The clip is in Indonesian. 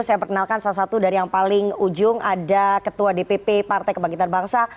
saya perkenalkan salah satu dari yang paling ujung ada ketua dpp partai kebangkitan bangsa